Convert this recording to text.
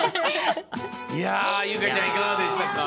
いや優香ちゃんいかがでしたか？